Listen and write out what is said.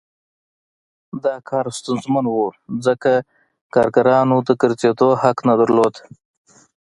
دا کار ستونزمن و ځکه کارګرانو د ګرځېدو حق نه درلود